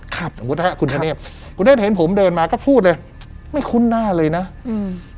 ครับคุณธเนศคุณธเนศเห็นผมเดินมาก็พูดเลยไม่คุ้นหน้าเลยนะอืม